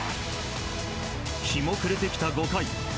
日も暮れてきた５回。